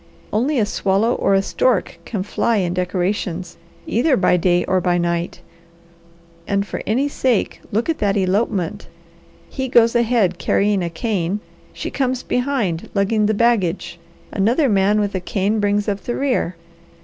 Only a swallow or a stork can fly in decorations, either by day or by night. And for any sake look at that elopement! He goes ahead carrying a cane, she comes behind lugging the baggage, another man with a cane brings up the rear.